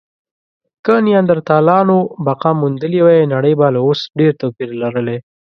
که نیاندرتالانو بقا موندلې وی، نړۍ به له اوس ډېر توپیر لرلی.